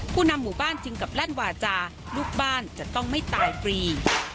นำหมู่บ้านจึงกลับลั่นวาจาลูกบ้านจะต้องไม่ตายฟรี